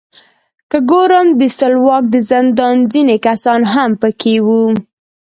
که ګورم د سلواک د زندان ځینې کسان هم پکې وو.